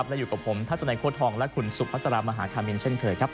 และอยู่กับผมทัศนโคทรทองและคุณสุภาษลามหาคามิล